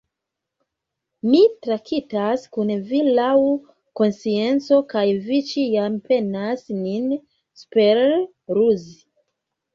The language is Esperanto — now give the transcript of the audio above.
Mi traktas kun vi laŭ konscienco, kaj vi ĉiam penas min superruzi.